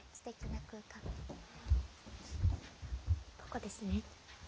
ここですね。